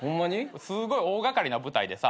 すごい大掛かりな舞台でさ。